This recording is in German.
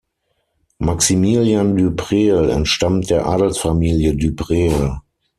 Maximilian du Prel entstammt der Adelsfamilie du Prel.